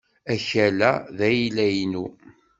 Akal-a d ayla-inu.